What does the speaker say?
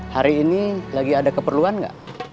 hari ini lagi ada keperluan nggak